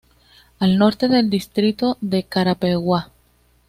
Al Norte el distrito de Carapeguá.